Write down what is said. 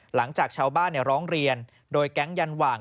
หลังจากชาวบ้านร้องเรียนโดยแก๊งยันหว่าง